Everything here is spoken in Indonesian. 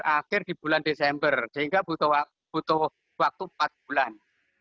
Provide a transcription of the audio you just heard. akhir di bulan desember sehingga butuh waktu empat bulan